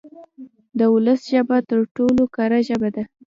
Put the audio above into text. د ولس ژبه تر ټولو کره ژبه ده.